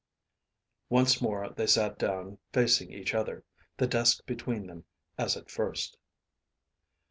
Once more they sat down facing each other, the desk between them as at first.